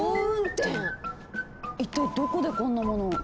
一体どこでこんなものを？